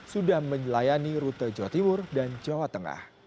sudah menyelayani rute jawa timur dan jawa tengah